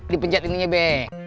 dipenjat ininya be